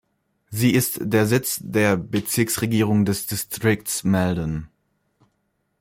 Sie ist der Sitz der Bezirksregierung des Districts Maldon.